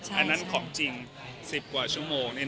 อันนั้นของจริง๑๐กว่าชั่วโมง